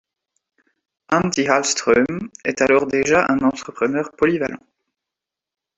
Antti Ahlström est alors deja un entrepreneur polyvalent.